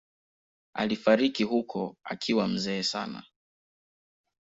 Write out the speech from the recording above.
Alifariki huko akiwa mzee sana.